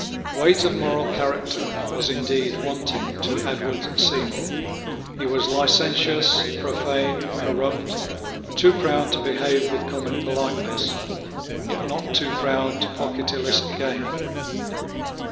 Weight of moral character was indeed wanting to Edward Seymour. He was licentious, profane, corrupt, too proud to behave with common politeness, yet not too proud to pocket illicit gain.